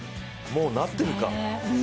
もうなってるか。